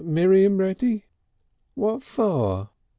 Miriam ready?" "What for?"